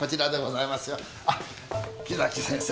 あっ木崎先生。